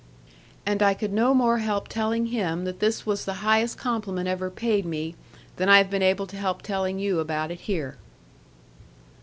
And I could no more help telling him that this was the highest compliment ever paid me than I have been able to help telling you about it here!